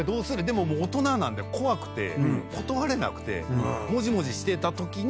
でももう大人なんで怖くて断れなくてもじもじしてたときに。